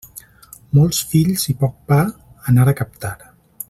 Molts fills i poc pa, anar a captar.